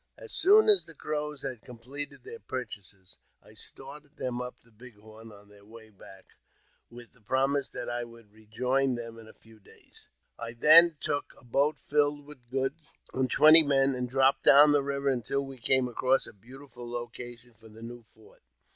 As soon as the Crows had completed their purchases, I started them up the Big Horn on their way back, with the promise that I would rejoin them in a few days. I then took a boat filled with goods, and twenty men, and dropped down the river until we came across a beautiful location for the new fort.